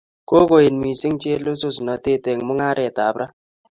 Kokoet mising chelesosnandit eng mung'aretab ra